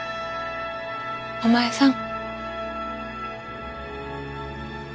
お前さん。